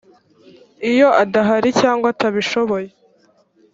iyo adahari cyangwa atabishoboye